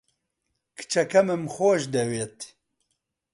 کچەکەمم خۆش دەوێت.